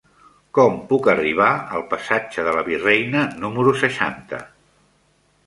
Com puc arribar al passatge de la Virreina número seixanta?